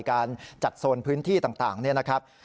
การจัดโซนพื้นที่ต่างเนี่ยนะครับ